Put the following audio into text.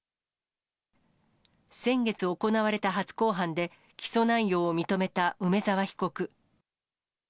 先月行われた初公判で、起訴内容を認めた梅沢被告。